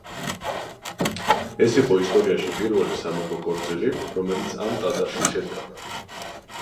ეს იყო ისტორიაში პირველი სამეფო ქორწილი რომელიც ამ ტაძარში შედგა.